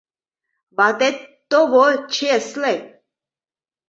Ватет... тово!.. чесле!..